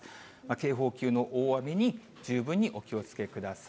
警報級の大雨に十分にお気をつけください。